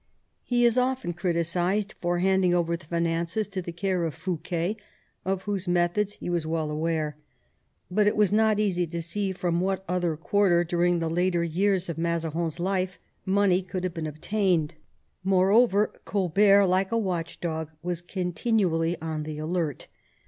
He is often criticised for handing over the finances to the care of Fouquet, of whose methods he was well aware. But it was not easy to see from what other quarter during the later years of Mazarin's life money could have been obtained. Moreover, Colbert, like a watch dog, was con tinually on the alert.